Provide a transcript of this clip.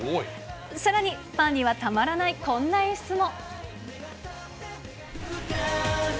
さらに、ファンにはたまらないこんな演出も。